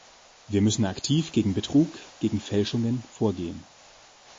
Wir müssen aktiv gegen Betrug, gegen Fälschungen vorgehen.